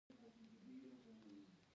په خدای يقين خزانه په لاس ورکوي.